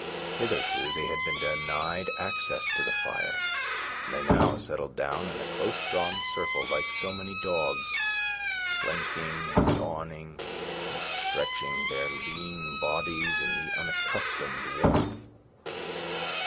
Hitherto they had been denied access to the fire, and they now settled down in a close drawn circle, like so many dogs, blinking and yawning and stretching their lean bodies in the unaccustomed warmth.